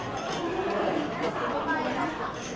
โปรดติดตามต่อไป